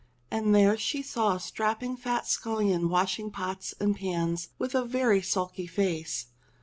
And there she saw a strapping fat scullion washing pots and pans with a very sulky face.